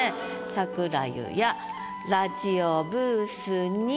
「桜湯やラジオブースに」